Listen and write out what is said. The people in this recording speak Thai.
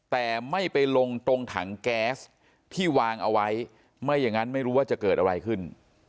แต่ไม่ไปลงตรงถังแก๊สที่วางเอาไว้ไม่อย่างนั้นไม่รู้ว่าจะเกิดอะไรขึ้น